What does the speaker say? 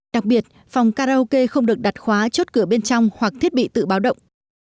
đặc biệt phòng karaoke không được đặt khóa chốt cửa bên trong hoặc thiết bị tự báo động